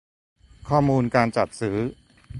ข้อมูลการจัดซื้อ